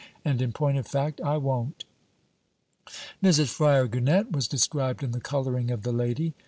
And in point of fact, I won't.' Mrs. Fryar Gunnett was described in the colouring of the lady.